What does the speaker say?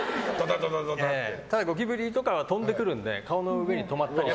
ゴキブリとかは飛んでくるので顔の上に来たりとか。